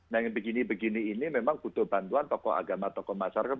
nah yang begini begini ini memang butuh bantuan tokoh agama tokoh masyarakat